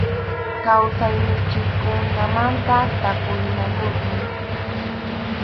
Kawsayninchikkunamanta tapurinakusun.